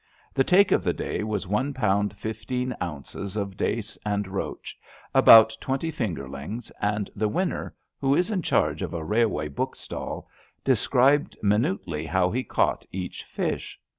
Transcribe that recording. The take of the day was one pound fifteen ounces of dace and roach, about twenty fingerlings, and the winner, who is in charge of a railway book stall, described minutely how he caught each fish.